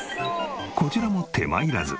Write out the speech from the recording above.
こちらも手間いらず。